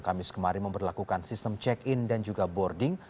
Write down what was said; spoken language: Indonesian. kamis kemarin memperlakukan sistem check in dan juga boarding